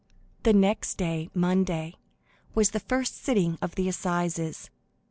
The next day, Monday, was the first sitting of the assizes.